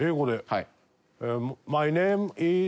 はい。